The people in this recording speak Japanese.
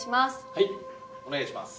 はいお願いします。